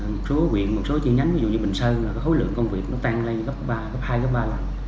một số quyện một số chi nhánh ví dụ như bình sơn là cái khối lượng công việc nó tan lên gấp hai gấp ba lần